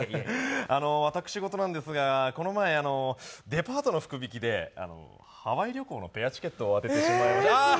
私ごとなんですが、この前、デパートの福引きでハワイ旅行のペアチケットを当ててしまいまして。